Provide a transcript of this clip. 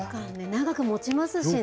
長くもちますしね。